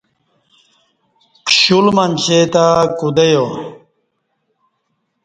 کشل منچے تہ کدہ یا